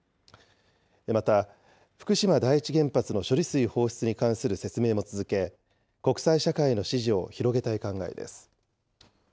また、福島第一原発の処理水放出に関する説明も続け、国際社会への支持を広げたい考えです。